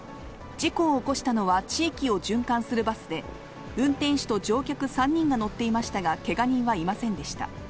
事故を起こしたのは、地域を循環するバスで、運転手と乗客３人が乗っていましたが、けが人はいませんでした。